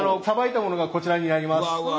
さばいたものがこちらになります。